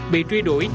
bị truy đuổi